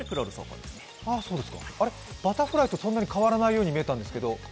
バタフライとそんなに変わらないように見えたんですけど？